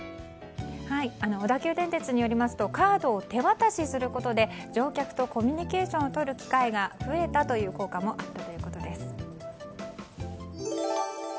小田急電鉄によりますとカードを手渡しすることで乗客とコミュニケーションをとる機会が増えたという効果もあったということです。